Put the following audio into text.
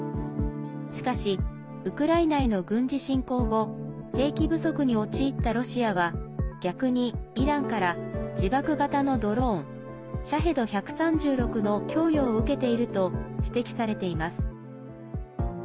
しかし、ウクライナへの軍事侵攻後兵器不足に陥ったロシアは逆にイランから自爆型のドローン「シャヘド１３６」の供与を受けていると指摘されています。